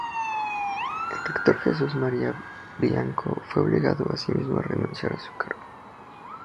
El rector Jesús María Bianco fue obligado, asimismo, a renunciar a su cargo.